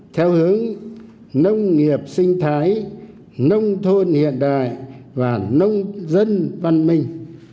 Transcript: theo hướng nông nghiệp sinh thái nông thôn hiện đại và nông dân văn minh